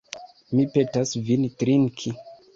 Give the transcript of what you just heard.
Mi petas vin trinki.